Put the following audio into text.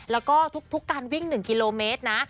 แล้วก็ทุกการวิ่ง๑กิโลเมตรนะ